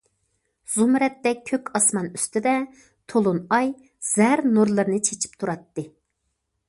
زۇمرەتتەك كۆك ئاسمان ئۈستىدە تولۇن ئاي زەر نۇرلىرىنى چېچىپ تۇراتتى.